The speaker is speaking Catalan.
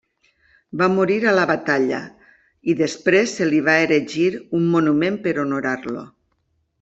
Va morir a la batalla, i després se li va erigir un monument per honorar-lo.